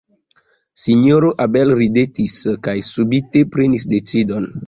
Sinjoro Abel ridetis, kaj subite prenis decidon.